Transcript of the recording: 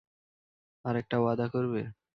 আরেকটা ওয়াদা করবে?